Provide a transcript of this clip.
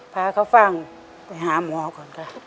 พาข้าวฟ่างไปหาหมอก่อน